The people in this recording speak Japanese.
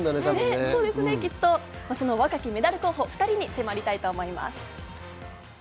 その若きメダル候補２人に迫りたいと思います。